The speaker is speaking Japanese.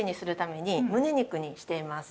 むね肉にしています。